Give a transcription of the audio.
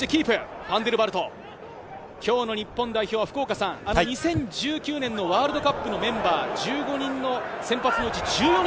今日の日本代表は福岡さん、２０１９年のワールドカップのメンバー１５人のうち、１４人。